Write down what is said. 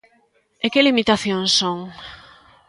¿E que limitacións son?